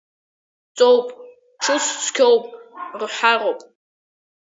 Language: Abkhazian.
Ҵоуп, ҽыз цқьоуп, рҳәароуп.